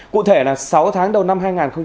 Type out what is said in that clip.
cụ thể là sáu tháng đầu năm hai nghìn hai mươi